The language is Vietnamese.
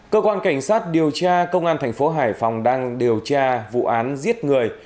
cơ quan cảnh sát điều tra công an thành phố hải phòng đang điều tra vụ án giết người